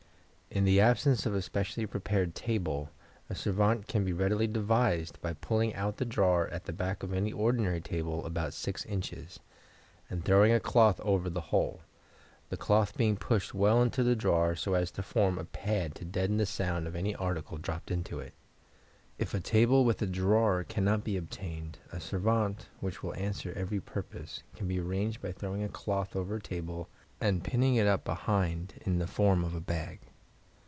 In the absence of a specially prepared table a servante can be readily devised by pulling out the drawer at the back of any ordinary table about 6 in., and throwing a cloth over the whole, the cloth being pushed well into the drawer so as to form a pad to deaden the sound of any article dropped into it. If a table with a drawer cannot be obtained, a servante, which will answer every purpose, can be arranged by throwing a cloth over a table and pinning it up behind in the form of a bag.